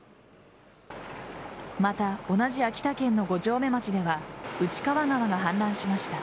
また、同じ秋田県の五城目町では内川川が氾濫しました。